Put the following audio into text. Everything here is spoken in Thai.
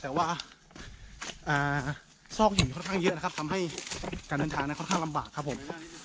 แต่ว่าซอกหินค่อนข้างเยอะนะครับทำให้การเดินทางนั้นค่อนข้างลำบากครับผม